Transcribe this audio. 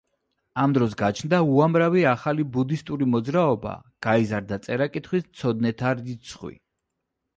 ამ დროს გაჩნდა უამრავი ახალი ბუდისტური მოძრაობა, გაიზარდა წერა-კითხვის მცოდნეთა რიცხვი.